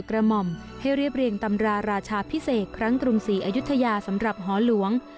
หม่อมให้เรียบเรียงตำราราชาพิเศษครั้งกรุงศรีอายุทยาสำหรับหอหลวง